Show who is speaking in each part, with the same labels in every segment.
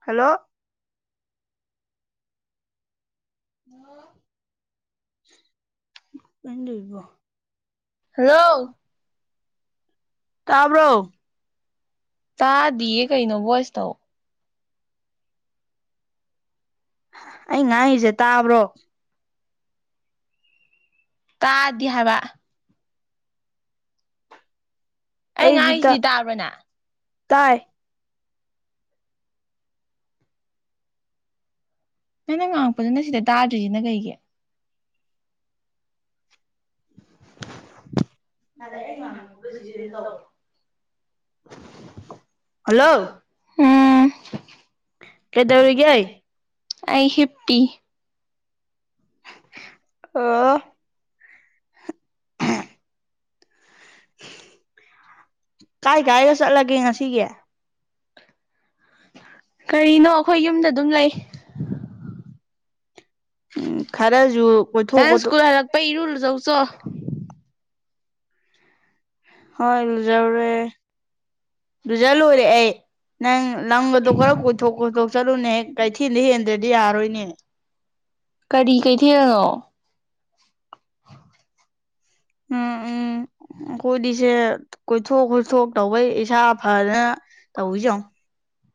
Speaker 1: hello hello ꯀꯩꯅꯣ ꯇꯧꯔꯤꯖꯤꯕꯣ
Speaker 2: hello
Speaker 1: ꯇꯥꯕ꯭ꯔꯣ
Speaker 2: ꯇꯥꯗꯤꯌꯦ ꯀꯩꯅꯣ ꯚꯣꯏꯁ ꯇꯣ
Speaker 1: ꯑꯩ ꯉꯥꯡꯉꯤꯖꯦ ꯇꯥꯕ꯭ꯔꯣ
Speaker 2: ꯇꯥꯗꯦ ꯍꯥꯏꯕ
Speaker 1: ꯑꯩꯗꯤ ꯇ ꯇꯥꯏ
Speaker 2: ꯅꯪꯅ ꯉꯥꯡꯉꯛꯄꯗꯨꯅ ꯁꯤꯗ ꯇꯥꯗ꯭ꯔꯤꯁꯤꯅ ꯀꯩꯒꯤ
Speaker 1: [unintelligible] ꯑꯩ ꯉꯥꯡꯕ ꯈꯣꯠꯄ ꯁꯤꯗ ꯑꯗꯨꯝ ꯇꯧ [unintelligible]
Speaker 2: ꯍꯂꯣ ꯎꯝ
Speaker 1: ꯀꯩꯗꯧꯔꯤꯒꯦ
Speaker 2: ꯑꯩ ꯍꯤꯞꯄꯤ
Speaker 1: ꯑꯣ ꯀꯥꯏ ꯀꯥꯏꯒ ꯆꯠꯂꯒꯦ ꯉꯁꯤꯒꯤ
Speaker 2: ꯀꯔꯤꯅꯣ ꯑꯩꯈꯣꯏ ꯌꯨꯝꯗ ꯑꯗꯨꯝ ꯂꯩ ꯅꯪ ꯁ꯭ꯀꯨꯜ ꯍꯜꯂꯛꯄꯩ ꯏꯔꯨꯂꯨꯖꯧꯆꯣ
Speaker 1: ꯍꯣꯏ ꯂꯨꯖꯧꯔꯦ ꯂꯨꯖ ꯂꯣꯏꯔꯦ ꯑꯩ ꯅꯪ ꯂꯝꯒꯗꯣ ꯈꯔ ꯀꯣꯏꯊꯣꯛ ꯀꯣꯏꯊꯣꯛ ꯆꯠꯂꯨꯅꯦ ꯍꯦꯛ ꯀꯩꯊꯦꯜꯗ ꯍꯦꯟꯗ꯭ꯔꯗꯤ ꯌꯥꯔꯔꯣꯏꯅꯦ
Speaker 2: ꯀꯔꯤ ꯀꯩꯊꯦꯜꯅꯣ
Speaker 1: ꯎꯝ ꯎꯝ ꯑꯩꯈꯣꯏꯗꯤꯁꯦ ꯀꯣꯏꯊꯣꯛ ꯀꯣꯏꯊꯣꯛ ꯇꯧꯕꯩ ꯏꯁꯥ ꯐꯗꯅ ꯇꯧꯔꯤꯁꯤ ꯌꯦꯉꯣ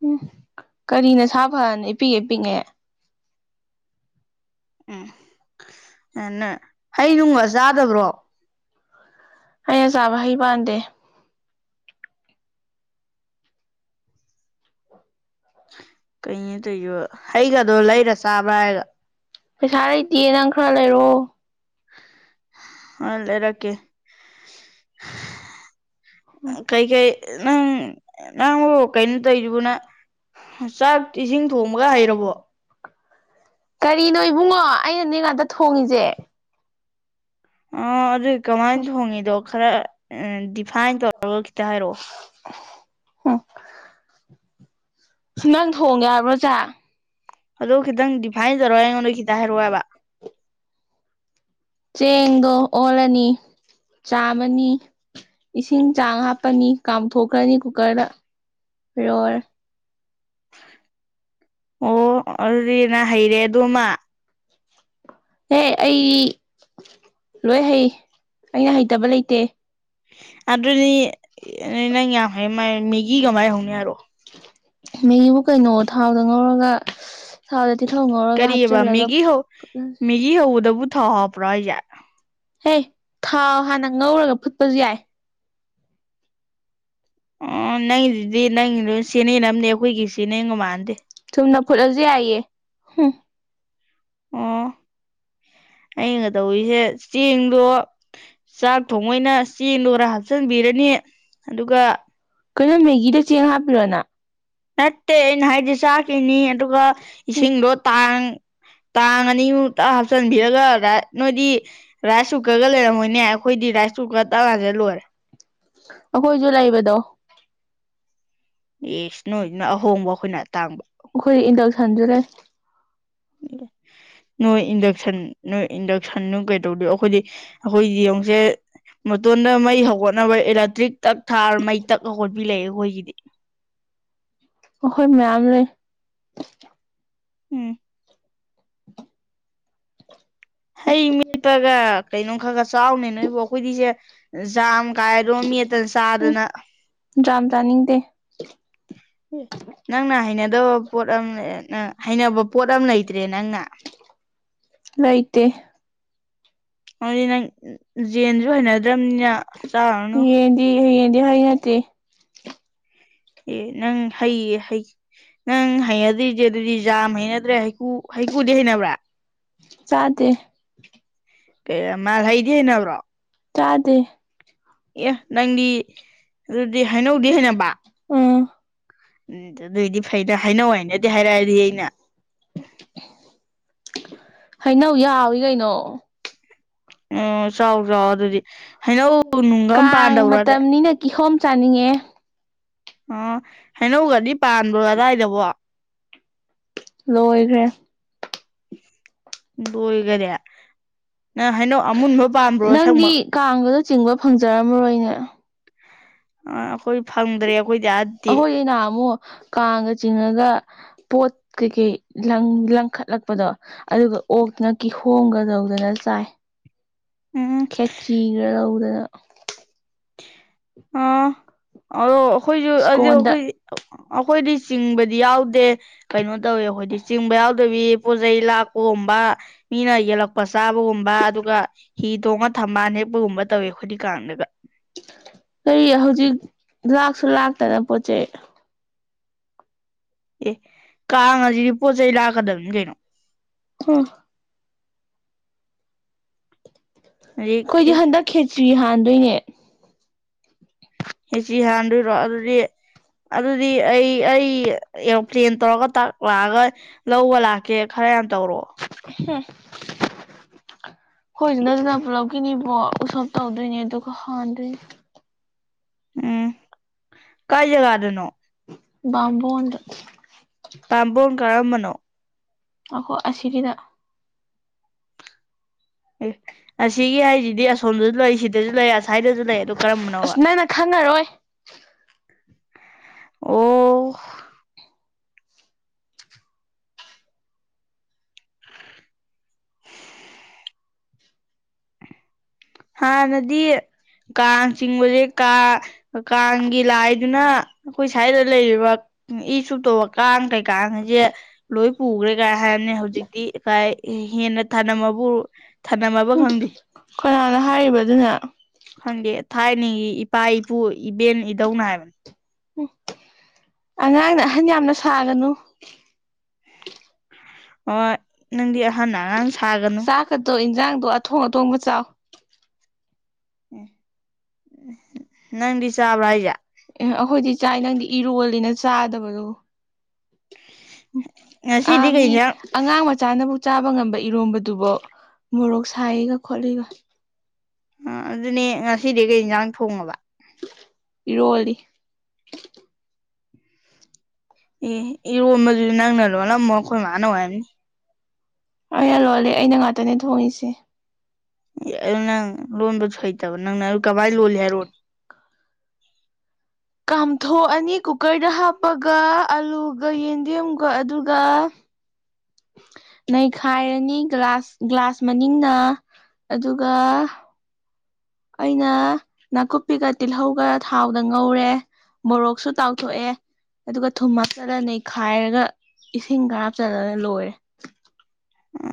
Speaker 2: ꯎꯝ ꯀꯔꯤ ꯅꯁꯥ ꯐꯗꯏ ꯏꯄꯤꯛ ꯍꯦꯛ ꯄꯤꯛꯉꯩ
Speaker 1: ꯎꯝ ꯅꯪ ꯍꯩ ꯅꯨꯡꯒ ꯆꯥꯗꯕ꯭ꯔꯣ
Speaker 2: ꯍꯩꯅ ꯆꯥꯕ ꯍꯩ ꯄꯥꯟꯗꯦ
Speaker 1: ꯀꯩꯅꯣ ꯇꯧꯏꯁꯤꯕꯨ ꯍꯩꯒꯗꯣ ꯂꯩꯔ ꯆꯥꯕ꯭ꯔꯥ ꯍꯥꯏꯒ
Speaker 2: ꯄꯩꯁꯥ ꯂꯩꯇꯦ ꯅꯪ ꯈꯔ ꯂꯩꯔꯛꯑꯣ
Speaker 1: ꯍꯣꯏ ꯂꯩꯔꯛꯀꯦ ꯀꯩꯀꯩ ꯅꯪ ꯅꯪꯕꯨ ꯀꯩꯅꯣ ꯇꯧꯔꯤꯁꯤꯕꯨ ꯅꯪ ꯆꯥꯛꯠꯏꯁꯤꯡ ꯊꯣꯡꯕꯒ ꯍꯩꯔꯕꯣ
Speaker 2: ꯀꯔꯤꯅꯣ ꯏꯕꯨꯡꯉꯣ ꯑꯩꯅꯅꯦ ꯉꯥꯛꯇ ꯊꯣꯡꯉꯤꯁꯦ
Speaker 1: ꯑꯣ ꯑꯗꯨꯗꯤ ꯀꯃꯥꯏꯅ ꯊꯣꯡꯉꯤꯗꯣ ꯈꯔ ꯎꯝ ꯗꯤꯐꯥꯏꯟ ꯇꯧꯔꯒ ꯈꯤꯇ ꯍꯥꯏꯔꯛꯑꯣ
Speaker 2: ꯎꯝ ꯅꯪ ꯊꯣꯡꯉꯦ ꯍꯥꯏꯕ꯭ꯔꯣ ꯆꯥꯛ
Speaker 1: ꯑꯗꯨ ꯈꯤꯇꯪ ꯗꯤꯐꯥꯏꯟ ꯇꯧꯔ ꯑꯩꯉꯣꯟꯗ ꯈꯤꯇꯪ ꯍꯥꯏꯔꯛꯑꯣ ꯍꯥꯏꯕ
Speaker 2: ꯆꯦꯡꯗꯣ ꯑꯣꯜꯂꯅꯤ ꯆꯥꯝꯃꯅꯤ ꯏꯁꯤꯡ ꯆꯥꯡ ꯍꯥꯞꯄꯅꯤ ꯀꯥꯝꯊꯣꯛꯈ꯭ꯔꯅꯤ ꯀꯨꯀꯔꯗ ꯂꯣꯏꯔꯦ
Speaker 1: ꯑꯣ ꯑꯗꯨꯗꯤ ꯅꯪ ꯍꯩꯔꯦ ꯑꯗꯨꯃ
Speaker 2: ꯍꯦ ꯑꯩ ꯂꯣꯏ ꯍꯩ ꯑꯩ ꯍꯩꯇꯕ ꯂꯩꯇꯦ
Speaker 1: ꯑꯗꯨꯗꯤ ꯅꯪ ꯌꯥꯝ ꯍꯩ ꯃꯥꯂꯦ ꯃꯦꯒꯤ ꯀꯃꯥꯏꯅ ꯍꯧꯅꯤ ꯍꯥꯏꯔꯛꯑꯣ
Speaker 2: ꯃꯦꯒꯤꯕꯨ ꯀꯩꯅꯣ ꯊꯥꯎꯗ ꯉꯧꯔꯒ ꯊꯥꯎꯗ ꯇꯤꯜꯍꯧ ꯉꯧꯔꯒ ꯍꯥꯞꯆꯤꯜꯂꯒ
Speaker 1: ꯃꯦꯒꯤ ꯍꯧꯕꯗꯕꯨ ꯊꯥꯎ ꯍꯥꯞꯄ꯭ꯔꯣ ꯍꯥꯏꯁꯦ
Speaker 2: ꯍꯦ ꯊꯥꯎ ꯍꯥꯟꯅ ꯉꯧꯔꯒ ꯐꯨꯠꯄꯁꯨ ꯌꯥꯏ
Speaker 1: ꯑꯣ ꯅꯪꯗꯨꯗꯤ ꯅꯪꯗꯨꯗꯤ ꯆꯦꯅꯦꯜ ꯑꯃꯅꯦ ꯑꯩꯈꯣꯏꯒꯤ ꯆꯦꯅꯦꯜꯒ ꯃꯥꯟꯅꯗꯦ
Speaker 2: ꯆꯨꯝꯅ ꯐꯨꯠꯂꯁꯨ ꯌꯥꯏꯌꯦ ꯍꯝ
Speaker 1: ꯑꯣ ꯑꯩꯅꯒ ꯇꯧꯔꯤꯁꯦ ꯆꯦꯡꯗꯣ ꯆꯥꯛ ꯊꯣꯡꯕꯩꯅ ꯆꯦꯡꯗꯣ ꯈꯔ ꯍꯥꯞ ꯍꯥꯞꯆꯟꯕꯤꯔꯅꯤ ꯑꯗꯨꯒ
Speaker 2: ꯀꯩꯅꯣ ꯃꯦꯒꯤꯗ ꯆꯦꯡ ꯍꯥꯞꯄꯤꯔꯣ ꯅꯪ
Speaker 1: ꯅꯠꯇꯦ ꯑꯩꯅ ꯍꯥꯏꯗꯤ ꯆꯥꯛꯀꯤꯅꯤ ꯑꯗꯨꯒ ꯏꯁꯤꯡꯗꯣ ꯇꯥꯡ ꯇꯥꯡ ꯑꯅꯤꯃꯨꯛꯇ ꯍꯥꯞꯆꯤꯟꯕꯤꯔꯒ ꯅꯣꯏꯗꯤ ꯔꯥꯏꯁ ꯀꯨꯀꯔꯒ ꯂꯩꯔꯝꯃꯣꯏꯅꯦ ꯑꯩꯈꯣꯏꯗꯤ ꯔꯥꯏꯁ ꯀꯨꯀꯔ ꯇꯒ ꯍꯥꯟꯁꯟꯂ ꯂꯣꯏꯔꯦ
Speaker 2: ꯑꯩꯈꯣꯏꯁꯨ ꯂꯩꯕꯗꯣ
Speaker 1: ꯑꯦꯁ ꯅꯣꯏꯗꯨꯅ ꯑꯍꯣꯡꯕ ꯑꯩꯈꯣꯏꯅ ꯑꯇꯥꯡꯕ
Speaker 2: ꯑꯩꯈꯣꯏ ꯏꯟꯗꯛꯁꯟꯖꯨ ꯂꯩ
Speaker 1: [unintelligible] ꯅꯣꯏ ꯏꯟꯗꯛꯁꯟ ꯅꯣꯏ ꯏꯟꯗꯛꯁꯟ ꯅ ꯀꯩꯗꯧꯗ‌ꯣꯏꯕ ꯑꯩꯈꯣꯏꯗꯤ ꯑꯩꯈꯣꯏ ꯌ‌ꯣꯡꯁꯦ ꯃꯇꯣꯟꯗ ꯃꯩ ꯍꯧꯒꯠꯅꯕ ꯏꯂꯦꯛꯇ꯭ꯔꯤꯛ ꯇꯛ ꯊꯥꯔ ꯃꯩ ꯇꯛ ꯍꯧꯒꯠꯄꯤ ꯂꯩ ꯑꯩꯈꯣꯏꯒꯤꯗꯤ
Speaker 2: ꯑꯈꯣꯏ ꯃꯌꯥꯝ ꯂꯩ
Speaker 1: ꯎꯝ
Speaker 2: [inaudible]
Speaker 1: ꯍꯩ ꯃꯦꯠꯄꯒ ꯀꯩꯅꯣ ꯈꯔ ꯈꯔ ꯆꯥꯎꯅꯩ ꯅꯣꯏꯕꯨ ꯑꯩꯈꯣꯏꯗꯤꯁꯦ ꯖꯥꯝ ꯀꯥꯏꯗꯣ ꯃꯦꯠ ꯆꯥꯗꯅ
Speaker 2: ꯖꯥꯝ ꯆꯥꯅꯤꯡꯗꯦ
Speaker 1: ꯅꯪꯅ ꯍꯩꯅꯗꯕ ꯄꯣꯠ ꯑꯃ ꯍꯩꯅꯕ ꯄꯣꯠ ꯑꯃ ꯂꯩꯇ꯭ꯔꯦ ꯅꯪꯅ
Speaker 2: ꯂꯩꯇ‌ꯦ
Speaker 1: ꯑꯗꯨꯗꯤ ꯅꯪ ꯖꯦꯟꯁꯨ ꯍꯅꯗ꯭ꯔꯝꯅꯤꯅ ꯆꯥꯔꯅꯨ
Speaker 2: ꯍꯩꯅꯗ‌ꯦ ꯍꯥꯏꯗꯤꯅꯠꯇ‌ꯦ
Speaker 1: ꯑꯦ ꯅꯪ ꯍꯩꯌꯦ ꯍꯩ ꯅꯪ ꯍꯩꯅꯗ꯭ꯔꯤꯁꯦ ꯑꯗꯨꯗꯤ ꯌꯥꯝ ꯍꯩꯅꯗ꯭ꯔꯦ ꯍꯩꯀꯨ ꯍꯩꯀꯨꯗꯤ ꯍꯩꯅꯕ꯭ꯔꯥ
Speaker 2: ꯆꯥꯗꯦ
Speaker 1: ꯀꯩ ꯃꯥꯜꯍꯩꯗꯤ ꯍꯩꯅꯕ꯭ꯔꯣ
Speaker 2: ꯆꯥꯗꯦ
Speaker 1: ꯑꯦ ꯅꯪꯗꯤ ꯑꯗꯨꯗꯤ ꯍꯩꯅꯧꯗꯤ ꯍꯩꯅꯕ ꯎꯝ ꯑꯗꯨꯑꯣꯏꯗꯤ ꯐꯩꯗ ꯍꯩꯅꯧ ꯍꯩꯅꯗꯦ ꯍꯥꯏꯔꯛꯑꯗꯤ ꯑꯩꯅ
Speaker 2: ꯍꯩꯅꯧ ꯌꯥꯎꯋꯤ ꯀꯩꯅꯣ
Speaker 1: ꯎꯡ ꯆꯥꯎ ꯆꯥꯎ ꯑꯗꯨꯗꯤ ꯍꯩꯅꯧ ꯅꯨꯡꯒ ꯑꯝ ꯄꯥꯟꯗꯕ꯭ꯔ‌ꯣ ꯑꯣ ꯍꯩꯅꯧꯒꯗꯤ ꯄꯥꯟꯕ꯭ꯔꯣ ꯑꯗꯥꯏꯗꯕꯣ
Speaker 2: ꯂꯣꯏꯈ꯭ꯔꯦ
Speaker 1: ꯂꯣꯏꯒꯔꯦ ꯅꯪ ꯍꯩꯅꯩ ꯑꯃꯨꯟꯕ ꯄꯥꯝꯕ꯭ꯔꯣ ꯑꯁꯪꯕ
Speaker 2: ꯀꯥꯡꯒꯗꯣ ꯆꯤꯡꯕ ꯐꯪꯖꯔꯝꯃꯔꯣꯏꯅꯦ
Speaker 1: ꯑ ꯑꯩꯈꯣꯏ
Speaker 2: ꯑꯈꯣꯏꯗꯤ ꯅꯍꯥꯟꯃꯨꯛ ꯀꯥꯡꯒ ꯆꯤꯡꯉꯒ ꯄꯣꯠ ꯀꯩꯀꯩ ꯂꯪ ꯂꯪꯈꯠꯂꯛꯄꯗꯣ ꯑꯗꯨꯒ ꯑꯣꯛꯇꯅ ꯀꯤꯍꯣꯡꯝꯒ ꯇꯧꯗꯅ ꯆꯥꯏ ꯈꯦꯆꯤꯒ ꯂꯧꯗꯅ
Speaker 1: ꯑꯥ ꯑꯗꯣ ꯑꯩꯈꯣꯏꯁꯨ ꯑꯗꯨ ꯑꯩꯈꯣꯏ ꯑꯩꯈꯣꯏꯗꯤ ꯆꯤꯡꯕꯗꯤ ꯌꯥꯎꯗꯦ ꯀꯩꯅꯣ ꯇꯧꯋꯦ ꯑꯩꯈꯣꯏꯗꯤ ꯆꯤꯡꯕ ꯌꯥꯎꯗꯕꯤ ꯄꯣꯠ ꯆꯩꯩ ꯂꯥꯛꯄꯒꯨꯝꯕ ꯃꯤꯅ ꯌꯦꯜꯂꯛ ꯄ ꯆꯥꯕꯒꯨꯝꯕ ꯑꯗꯨꯒ ꯍꯤ ꯇꯣꯡꯉ ꯊꯝꯕꯥꯜ ꯍꯦꯛꯄꯒꯨꯝꯕ ꯇꯧꯋꯤ ꯑꯩꯈꯣꯏꯗꯤ ꯀꯥꯡꯗꯒ
Speaker 2: ꯀꯔꯤ ꯍꯧꯖꯤꯛ ꯂꯥꯛꯁꯨ ꯂꯥꯛꯇꯅ ꯄꯣꯠ ꯆꯩ
Speaker 1: ꯑꯦ ꯀꯥꯡꯑꯁꯤꯗꯤ ꯄꯣꯠ ꯆꯩꯩ ꯂꯥꯛꯀꯗꯕꯅꯤ ꯀꯩꯅꯣ
Speaker 2: ꯑꯣ ꯈꯣꯏꯗꯤ ꯍꯟꯗꯛ ꯈꯦꯆ꯭ꯔꯤ ꯍꯥꯟꯗꯣꯏꯅꯦ
Speaker 1: ꯈꯦꯆ꯭ꯔꯤ ꯍꯥꯟꯗꯣꯏꯔꯣ ꯑꯗꯨꯗꯤ ꯑꯗꯨꯗꯤ ꯑꯩ ꯑꯩ ꯑꯦꯔꯣꯄ꯭ꯂꯦꯟ ꯇꯧꯔꯒ ꯇꯥꯛ ꯂꯥꯛꯑꯒ ꯂꯧꯕ ꯂꯥꯛꯀꯦ ꯈꯔ ꯌꯥꯝ ꯇꯧꯔꯛꯑꯣ
Speaker 2: ꯍꯨꯝ ꯈꯣꯏꯗꯩꯗꯨꯗ ꯄꯨꯂꯞ ꯀꯤꯅꯤꯕꯣ ꯎꯁꯣꯞ ꯇꯧꯗꯣꯏꯅꯦ ꯑꯗꯨꯒ ꯍꯥꯟꯗꯣꯏꯅꯦ
Speaker 1: ꯎꯝ
Speaker 2: ꯕꯥꯕꯣꯟꯗ ꯑꯈꯣꯏ ꯑꯁꯤꯒꯤꯗ
Speaker 1: ꯑꯦ ꯑꯁꯤꯒꯤ ꯍꯥꯏꯁꯤꯗꯤ ꯑꯁꯣꯝꯗꯁꯨ ꯂꯩ ꯁꯤꯗꯁꯨ ꯂꯩ ꯑꯁꯥꯏꯗꯁꯨ ꯂꯩ ꯑꯗꯣ ꯀꯔꯝꯕꯅꯣꯕ ꯑꯣ ꯍꯥꯥꯅꯗꯤ ꯀꯥꯡ ꯆꯤꯡꯕꯁꯦ ꯀꯥ ꯀꯥꯡꯒꯤ ꯂꯥꯏꯗꯨꯅ ꯑꯩꯈꯣꯏ ꯁ꯭ꯋꯥꯏꯗ ꯂꯩꯔꯤꯕ ꯎꯡ ꯏ ꯆꯨꯞꯇꯧꯕ ꯀꯥꯡ ꯀꯩꯀꯥꯁꯦ ꯂꯣꯏ ꯄꯨꯈ꯭ꯔꯦ ꯀꯥꯏ ꯍꯥꯏꯅꯩ ꯍꯧꯖꯤꯛꯇꯤ ꯀꯥꯏ ꯍꯦꯟꯅ ꯊꯅꯝꯃꯕꯨ ꯊꯥꯅꯝꯃꯕ ꯈꯪꯗꯦ
Speaker 2: ꯀꯅꯥꯅ ꯍꯥꯏꯔꯤꯕꯑꯗꯨꯅ
Speaker 1: ꯈꯪꯗꯦ ꯊꯥꯏꯅꯒꯤ ꯏꯄꯥ ꯏꯄꯨ ꯏꯕꯦꯟ ꯏꯙꯧꯅ ꯍꯥꯏꯕꯅꯦ
Speaker 2: ꯎꯝ ꯑꯉꯥꯡꯅ ꯑꯍꯟ ꯌꯥꯝꯅ ꯁꯥꯒꯅꯨ [inaudible]
Speaker 1: ꯍꯣꯏ ꯅꯪꯗꯤ ꯑꯍꯟꯅ ꯑꯉꯥꯡ ꯁꯥꯒꯅꯨ
Speaker 2: ꯀꯠꯗꯣ ꯏꯟꯖꯥꯡꯗꯣ ꯑꯊꯣꯡ ꯑꯊꯣꯡꯕ ꯆꯥꯎ
Speaker 1: ꯅꯪꯗꯤ ꯆꯥꯕ꯭ꯔꯥ ꯍꯥꯏꯁꯦ
Speaker 2: ꯑꯦ ꯑꯩꯈꯣꯏꯗꯤ ꯆꯥꯏ ꯅꯪꯗꯤ ꯏꯔꯣꯜꯂꯤꯅ ꯆꯥꯗꯕꯗꯣ ꯑ ꯃꯤ ꯑꯉꯥꯡ ꯃꯆꯥꯅꯕꯨ ꯆꯥꯕ ꯉꯝꯕ ꯏꯔꯣꯝꯕꯗꯨꯕꯥꯎ ꯃꯣꯔꯣꯛ ꯁꯥꯏꯌꯦꯒ ꯈꯣꯠꯂꯤꯒ
Speaker 1: ꯑ ꯑꯗꯨꯅꯦ ꯉꯁꯤꯗꯤ ꯀꯩ ꯏꯟꯁꯥꯡ ꯊꯣꯡꯉꯕ
Speaker 2: ꯏꯔꯣꯜꯂꯤ
Speaker 1: ꯑꯦ ꯏꯔꯣꯟꯕꯗꯨꯁꯨ ꯅꯪꯅ ꯂꯣꯜꯂꯝꯃꯣꯏ ꯑꯩꯈꯣꯏ ꯃꯥꯅ ꯑꯣꯏꯔꯝꯅꯤ
Speaker 2: ꯑꯩꯅ ꯂꯣꯜꯂꯦ ꯑꯩꯅ ꯉꯥꯛꯇꯅꯦ ꯊꯣꯡꯉꯤꯁꯦ
Speaker 1: ꯑꯦ ꯑꯗꯣ ꯅꯪ ꯂꯣꯟꯕꯁꯨ ꯍꯩꯇꯕ ꯅꯪꯅ ꯀꯃꯏ ꯂꯣꯜꯂꯤ ꯍꯥꯏꯔꯣꯅꯦ
Speaker 2: ꯀꯥꯝꯊꯣꯛꯑꯅꯤ ꯀꯨꯀꯔꯗ ꯍꯥꯞꯄꯒ ꯑꯂꯨꯒ ꯌꯦꯟꯗꯦꯝꯒ ꯑꯗꯨꯒ
Speaker 1: [unintelligible]
Speaker 2: ꯅꯩꯈꯥꯏꯔꯅꯤ ꯒ꯭ꯂꯥꯁ ꯒ꯭ꯂꯥꯁ ꯃꯅꯤꯡꯅ ꯑꯗꯨꯒ ꯑꯩꯅ ꯅꯥꯀꯨꯞꯄꯤꯒ ꯇꯤꯜꯍꯧꯒ ꯊꯥꯎꯗ ꯉꯧꯔꯦ ꯃꯣꯔꯣꯛꯁꯨ ꯇꯥꯎꯊꯣꯛꯑꯦ ꯑꯗꯨꯒ ꯊꯨꯝ ꯍꯥꯞꯆꯂ ꯅꯩꯈꯥꯏꯔꯒ ꯏꯁꯤꯡ ꯈꯔ ꯍꯥꯞꯆꯟꯂꯒ ꯂꯣꯏꯔꯦ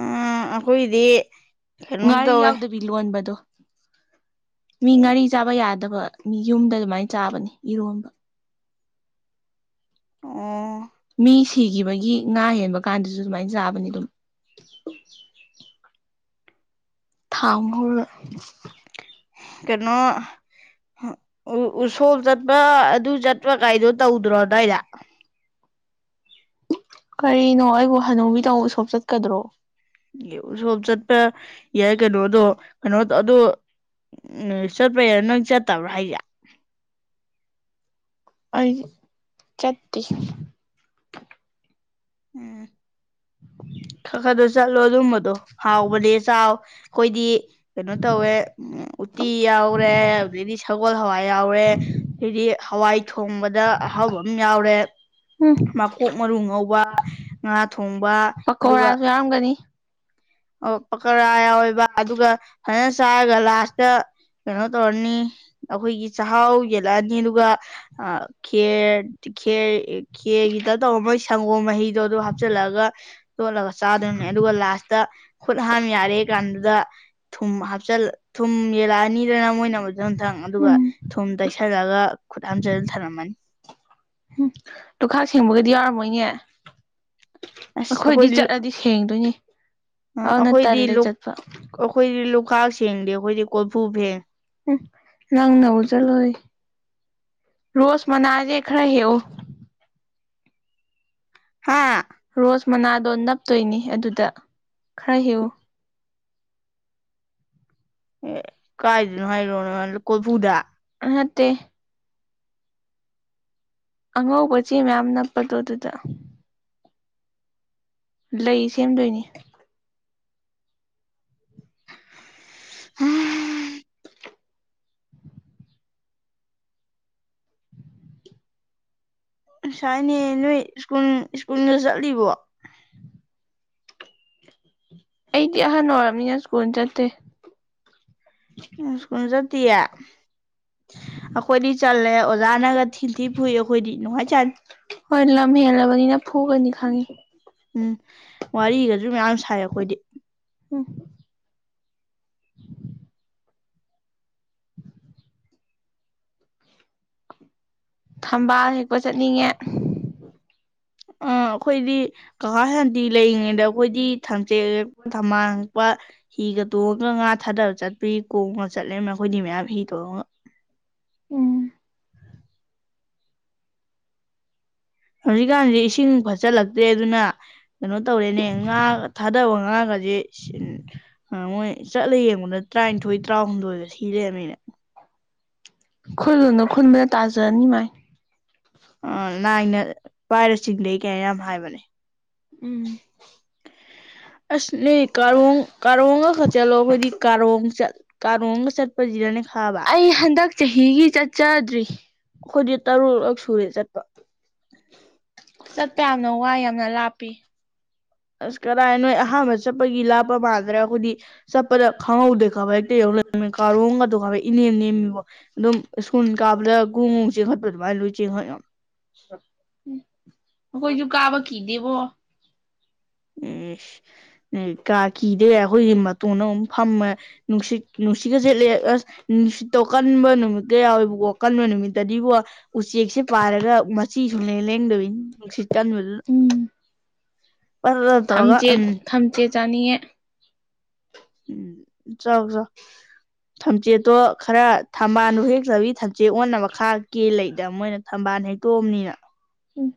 Speaker 1: ꯑ ꯑꯩꯈꯣꯏꯗꯤ
Speaker 2: ꯉꯥꯔꯤ ꯌꯥꯎꯗꯕꯤ ꯂꯣꯟꯕꯗꯣ ꯃꯤ ꯉꯥꯔꯤ ꯆꯥꯕ ꯌꯥꯗꯕ ꯃꯤ ꯌꯨꯝꯗ ꯑꯗꯨꯃꯥꯏꯅ ꯆꯥꯕꯅꯤ ꯏꯔꯣꯝꯕ
Speaker 1: ꯑꯣ
Speaker 2: ꯃꯤ ꯁꯤꯈꯤꯕꯒꯤ ꯉꯥ ꯍꯦꯟꯕ ꯀꯥꯟꯗꯁꯨ ꯑꯗꯨꯃꯥꯏꯅ ꯆꯥꯕꯅꯤ ꯑꯗꯨꯝ ꯊꯥꯎ ꯉꯧꯔꯒ
Speaker 1: ꯀꯩꯅꯣ ꯎꯁꯣꯞ ꯆꯠꯄ ꯑꯗꯨ ꯆꯠꯄꯥ ꯀꯥꯏꯗꯣ ꯇꯧꯗ꯭ꯔꯣ ꯑꯗꯥꯏꯗ
Speaker 2: ꯀꯔꯤꯅꯣ ꯑꯩꯕꯨ ꯍꯅꯨꯕꯤꯗꯧ ꯎꯁꯣꯞ ꯆꯠꯀꯗ꯭ꯔꯣ
Speaker 1: ꯎꯁꯣꯞ ꯆꯠꯄ ꯌꯥꯏ ꯀꯩꯅꯣꯗꯣ ꯀꯩꯅꯣ ꯑꯗꯣ ꯎꯝ ꯆꯠꯄ ꯌꯥꯏ ꯅꯪ ꯆꯠꯇꯕ꯭ꯔꯥ ꯍꯥꯏꯁꯦ
Speaker 2: ꯑꯩ ꯆꯠꯇꯦ
Speaker 1: ꯎꯝ [unintelligible] ꯈꯔ ꯈꯔꯁꯨ ꯆꯠꯂꯣ ꯑꯗꯨꯝꯕꯗꯣ ꯍꯥꯎꯕꯅꯦ ꯆꯥꯎ ꯑꯩꯈꯣꯏꯗꯤ ꯀꯩꯅꯣ ꯇꯧꯋꯦ ꯎꯇꯤ ꯌꯥꯎꯔꯦ ꯑꯗꯩꯗꯤ ꯁꯒꯣꯜ ꯍꯋꯥꯏ ꯌꯥꯎꯔꯦ ꯁꯤꯗꯤ ꯍꯋꯥꯏ ꯊꯣꯡꯕꯗ ꯑꯍꯥꯎꯕ ꯑꯃ ꯌꯥꯎꯔꯦ
Speaker 2: ꯎꯝ ꯄꯀꯣꯔꯥꯁꯨ ꯌꯥꯎꯔꯝꯒꯅꯤ
Speaker 1: ꯑꯣ ꯄꯀꯧꯔꯥ ꯌꯥꯎꯑꯦꯕ ꯑꯗꯨꯒ ꯐꯖꯅ ꯆꯥꯔꯒ ꯂꯥꯁꯇ ꯀꯩꯅꯣ ꯇꯧꯔꯅꯤ ꯑꯩꯈꯣꯏꯒꯤ ꯆꯥꯛꯍꯥꯎ ꯌꯦꯜꯂꯛꯑꯅꯤ ꯑꯗꯨꯒ ꯈꯦꯔ ꯈꯦꯔ ꯈꯦꯔꯒꯤꯗ ꯇꯧꯔ ꯃꯣꯏ ꯁꯪꯒꯣꯝ ꯃꯍꯤꯗꯣ ꯑꯗꯨ ꯍꯥꯞꯆꯤꯜꯂꯒ ꯇꯣꯠꯂꯒ ꯆꯥꯗꯣꯏꯅꯦ ꯑꯗꯨꯒ ꯂꯥꯁ ꯇ ꯈꯨꯠ ꯍꯥꯝ ꯌꯥꯔꯦ ꯀꯥꯟꯗꯨꯗ ꯊꯨꯝ ꯍꯥꯞꯆꯜ ꯊꯨꯝ ꯌꯦꯜꯂꯛꯑꯅꯤꯗꯅ ꯃꯣꯏꯅ ꯃꯊꯪ ꯑꯗꯨꯒ ꯊꯨꯝ ꯇꯩꯁꯜꯂꯛꯒ ꯈꯨꯠ ꯍꯥꯝꯖ ꯊꯥꯔꯝꯃꯅꯤ
Speaker 2: ꯎꯝ ꯂꯨꯈꯥꯛ ꯁꯦꯡꯕꯒꯗꯤ ꯌꯥꯎꯔꯝꯃꯣꯏꯅꯦ ꯑꯩꯈꯣꯏꯗꯤ ꯆꯠꯂꯗꯤ ꯁꯦꯡꯗꯣꯏꯅꯤ ꯑꯗꯨꯅ ꯇꯜꯂꯦ ꯆꯠꯄ
Speaker 1: ꯑꯩꯈꯣꯏꯗꯤ ꯂꯣꯛꯈꯥꯛ ꯁꯦꯡꯗꯦ ꯑꯩꯈꯣꯏꯗꯤ ꯀꯣꯔꯣꯐꯨ ꯐꯦꯡ
Speaker 2: ꯎꯝ ꯅꯪꯅꯧꯖꯂꯣꯏ ꯔꯣꯁ ꯃꯅꯥ ꯖꯦ ꯈ꯭ꯔꯦ ꯍꯦꯛ ꯑꯣ
Speaker 1: ꯍꯥꯥ
Speaker 2: ꯔꯣꯁ ꯃꯅꯥꯗꯣ ꯅꯞꯇꯣꯏꯅꯤ ꯑꯗꯨꯗ ꯈꯔ ꯍꯦꯛꯎꯨ
Speaker 1: ꯀꯥꯏꯗꯅꯣ ꯍꯥꯏꯔꯣꯅ ꯀꯣꯔꯐꯨꯗ
Speaker 2: ꯑꯍꯠꯇꯦ ꯑꯉꯧꯕ ꯆꯦ ꯃꯌꯥꯝ ꯅꯞꯄꯗꯣ ꯑꯗꯨꯗ ꯂꯩ ꯁꯦꯝꯗꯣꯏꯅꯦ
Speaker 1: [unintelligible] ꯉꯁꯥꯏꯅꯦ ꯅꯣꯏ ꯁ꯭ꯀꯨꯜ ꯁ꯭ꯀꯨꯜꯗ ꯆꯠꯂꯤꯕꯣ
Speaker 2: ꯑꯩꯗꯤ ꯑꯍꯟ ꯑꯣꯏꯔꯕꯅꯤꯅ ꯁ꯭ꯀꯨꯜ ꯆꯠꯇꯦ
Speaker 1: ꯁ꯭ꯀꯨꯜ ꯆꯠꯇꯤꯌꯦ ꯑꯩꯈꯣꯏꯗꯤ ꯆꯜꯂꯦ ꯑꯣꯖꯥꯅꯒ ꯊꯤꯟ ꯊꯤ ꯐꯨꯏ ꯑꯩꯈꯣꯏꯗꯤ ꯅꯨꯡꯉꯥꯏ ꯆꯅꯤ
Speaker 2: ꯍꯣꯏ ꯂꯝ ꯍꯦꯜꯂꯕꯅꯤꯅ ꯐꯨꯒꯅꯤ ꯈꯪꯉꯤ
Speaker 1: ꯎꯝ ꯋꯥꯔꯤꯒꯁꯨ ꯃꯌꯥꯝ ꯁꯥꯏ ꯑꯩꯈꯣꯏꯗꯤ
Speaker 2: ꯎꯝ [unintelligible] ꯊꯝꯕꯥꯜ ꯍꯦꯛꯄ ꯆꯠꯅꯤꯡꯉꯦ
Speaker 1: ꯑ ꯑꯩꯈꯣꯏꯗꯤ ꯀꯀꯥ ꯁꯥꯟꯇꯤ ꯂꯩꯔꯤꯉꯩꯗ ꯑꯩꯈꯣꯏꯗꯤ ꯊꯝꯆꯦꯠ ꯊꯝꯕꯥꯜ ꯍꯦꯛꯄ ꯍꯤꯒ ꯇꯣꯡꯉꯒ ꯉꯥ ꯊꯥꯗꯔ ꯆꯠꯄꯤ ꯀꯣꯡꯉꯕ ꯆꯠꯂꯦ ꯃꯈꯣꯏꯗꯤ ꯃꯌꯥꯝ ꯍꯤ ꯇꯣꯡꯉꯒ
Speaker 2: ꯎꯝ
Speaker 1: ꯍꯧꯖꯤꯛꯀꯥꯟꯁꯤ ꯏꯁꯤꯡ ꯐꯠꯆꯜꯂꯛꯇ꯭ꯔꯦ ꯑꯗꯨꯅ ꯀꯩꯅꯣ ꯇꯧꯔꯦꯅꯦ ꯉꯥ ꯊꯥꯗꯕ ꯉꯥꯒꯁꯦ ꯃꯣꯏ ꯆꯠꯂ ꯌꯦꯡꯕꯗ ꯇ꯭ꯔꯥꯏꯅꯊꯣꯏ ꯇꯔꯥꯍꯨꯝꯗꯣꯏ ꯁꯤ ꯂꯩꯔꯃꯤꯅꯦ
Speaker 2: ꯈꯨꯜꯂꯨꯅꯨ ꯈꯨꯟꯕꯅ ꯇꯥꯖꯔꯅꯤ ꯃꯥꯏ
Speaker 1: ꯑ ꯂꯥꯏꯅ ꯄꯥꯏꯔ ꯆꯤꯡꯗꯩ ꯀꯥꯏ ꯌꯥꯝ ꯍꯥꯏꯕꯅꯦ
Speaker 2: ꯎꯝ
Speaker 1: ꯑꯁ ꯂꯤ ꯀꯥꯔꯣꯡ ꯀꯥꯔꯣꯡꯒꯈꯛ ꯆꯠꯂꯣ ꯑꯩꯈꯣꯏꯗꯤ ꯀꯥꯔꯣꯡ ꯆꯠ ꯀꯔꯣꯡꯒ ꯆꯠꯄꯥꯖꯤꯗꯅꯦ ꯈꯪꯉꯕꯥ
Speaker 2: ꯆꯍꯤꯒꯤ ꯆꯠꯆꯗ꯭ꯔꯤ
Speaker 1: ꯑꯩꯈꯣꯏꯗꯤ ꯇꯔꯨꯛꯂꯛ ꯁꯨꯔꯦ ꯆꯠꯄ
Speaker 2: ꯆꯠꯄ ꯌꯥꯝꯅ ꯋꯥꯏ ꯌꯥꯝꯅ ꯂꯥꯞꯄꯤ
Speaker 1: ꯑꯁ ꯀꯔꯥꯏ ꯅꯣꯏ ꯑꯍꯥꯟꯕ ꯆꯠꯄꯒꯤ ꯂꯥꯞꯄ ꯃꯥꯟꯗ꯭ꯔꯦ ꯑꯩꯈꯣꯏꯗꯤ ꯆꯠꯄꯗ ꯈꯪꯍꯧꯗꯦ ꯈꯥꯕ ꯍꯦꯛꯇꯥ ꯌꯧ [inaudible] ꯃꯤ ꯀꯥꯔꯣꯡꯒꯗꯣ [unintelligible] ꯏꯅꯦꯝ ꯅꯦꯝꯃꯤꯕꯣ ꯑꯗꯨꯝ ꯁ꯭ꯀꯨꯜ ꯀꯥꯕꯗ ꯒꯣꯡ ꯒꯣꯡ ꯆꯦꯟꯈꯠꯄ ꯑꯗꯨꯃꯥꯏꯅ ꯂꯣꯏ ꯆꯦꯟꯈꯠ ꯉꯝ
Speaker 2: ꯎꯝ ꯑꯈꯣꯏꯖꯨ ꯀꯥꯕ ꯀꯤꯗꯦꯕꯣ
Speaker 1: ꯏꯁ ꯎꯝ ꯀꯥ ꯀꯤꯗꯦ ꯌꯥꯏ ꯑꯩꯈꯣꯏꯒꯤ ꯃꯇꯣꯟꯗ ꯑꯃꯨꯛ ꯐꯝꯃꯦ ꯅꯨꯡꯁꯤ ꯅꯨꯡꯁꯤꯠꯀꯥ ꯆꯤꯠꯂꯦ ꯑꯁ ꯅꯨꯡꯁꯤꯠꯇꯣ ꯀꯟꯕ ꯅꯨꯃꯤꯠꯀꯥ ꯌꯥꯎꯋꯦꯕꯀꯣ ꯀꯟꯕ ꯅꯨꯃꯤꯠꯇꯗꯤꯕꯣ ꯎꯆꯦꯛꯁꯤ ꯄꯥꯏꯔꯒ ꯃꯁ ꯆꯤ ꯁꯨꯡꯂꯦꯡ ꯂꯦꯡꯗꯕꯤꯅꯤ ꯅꯨꯡꯁꯤꯠ ꯀꯟꯕꯗꯨꯗ
Speaker 2: ꯊꯝꯆꯦꯠ ꯊꯝꯆꯦꯠ ꯆꯥꯅꯤꯡꯉꯦ
Speaker 1: ꯆꯥꯎ ꯆꯥꯎ ꯊꯝꯆꯦꯠꯇꯣ ꯈꯔ ꯊꯝꯕꯥꯜꯗꯣ ꯍꯦꯛ ꯇꯕꯤ ꯊꯝꯆꯦꯠ ꯑꯣꯟꯅꯕ ꯈꯥ ꯀꯦ ꯂꯩꯗ ꯃꯣꯏꯅ ꯊꯝꯕꯥꯜ ꯍꯦꯛꯇꯣꯝꯅꯤꯅ
Speaker 2: ꯎꯝ